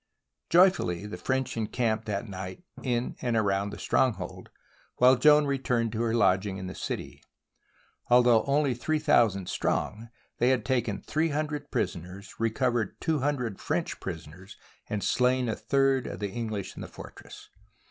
Joyfully the French encamped that night in and around the stronghold while Joan returned to her lodging in the city. Though only three thousand strong, they had taken three hundred prisoners, re covered two hundred French prisoners, and slain a third of the English in the fortress.